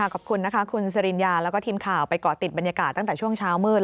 ขอบคุณนะคะคุณสริญญาแล้วก็ทีมข่าวไปเกาะติดบรรยากาศตั้งแต่ช่วงเช้ามืด